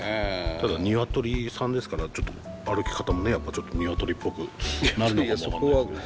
ただニワトリさんですから歩き方もやっぱちょっとニワトリっぽくなるのかも分かんないけど。